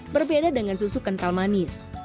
berbeda dengan susu kental manis